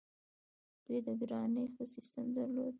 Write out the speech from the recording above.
دوی د کرنې ښه سیستم درلود